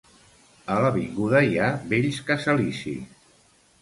A l'avinguda hi ha bells casalicis.